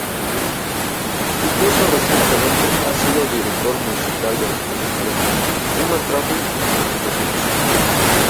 Incluso recientemente ha sido director musical de las películas "Human Traffic" y "The Beach".